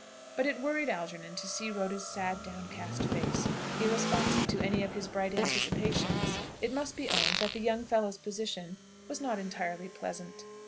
But it worried Algernon to see Rhoda's sad, downcast face, irresponsive to any of his bright anticipations. It must be owned that the young fellow's position was not entirely pleasant.